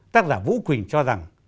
tác giả vũ quỳnh cho rằng